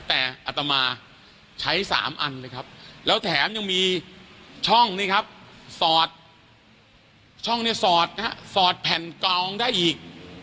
อัตตามาใช้๓อันเลยครับแล้วแถมยังมีช่องสอดแผ่นกองได้อีก